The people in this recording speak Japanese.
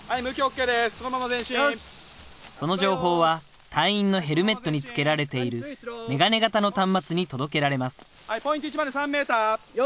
その情報は隊員のヘルメットにつけられている眼鏡型の端末に届けられます。